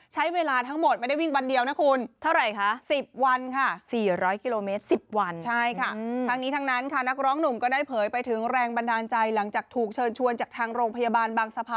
ใช้เวลาทั้งหมดไม่ได้วิ่งบันเดียวนะคุณ